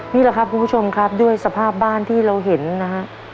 นี่แหละครับคุณผู้ชมครับด้วยสภาพบ้านที่เราเห็นนะฮะ